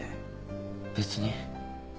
別に。